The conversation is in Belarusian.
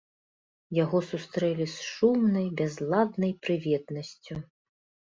Яго сустрэлі з шумнай, бязладнай прыветнасцю.